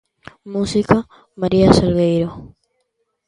Música: María Salgueiro.